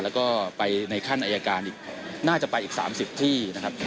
แล้วก็ไปในขั้นอายการอีกน่าจะไปอีก๓๐ที่นะครับ